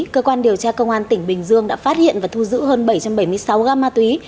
cơ quan điều tra công an tỉnh bình dương đã phát hiện và thu giữ hơn bảy trăm bảy mươi sáu gam ma túy